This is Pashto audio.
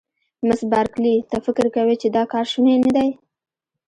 مس بارکلي: ته فکر کوې چې دا کار شونی نه دی؟